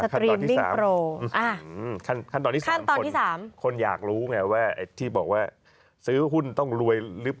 สตรีมมิ่งโปรอ่าขั้นตอนที่๓คุณอยากรู้ไงว่าที่บอกว่าซื้อหุ้นต้องรวยลึบ